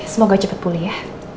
semoga cepet pulih ya